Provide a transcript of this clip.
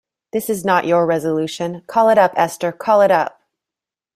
This is not your resolution; call it up, Esther, call it up!